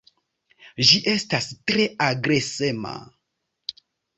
Ĝi estas tre agresema.